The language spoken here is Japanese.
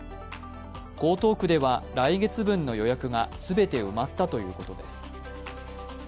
江東区では来月分の予約が全て埋まったということです。